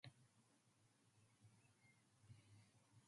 Her father was poet Sardar Abdul Rahim.